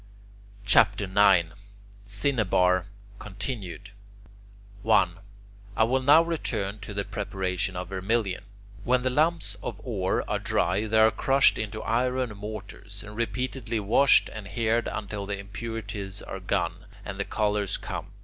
CHAPTER IX CINNABAR (continued) 1. I will now return to the preparation of vermilion. When the lumps of ore are dry, they are crushed in iron mortars, and repeatedly washed and heated until the impurities are gone, and the colours come.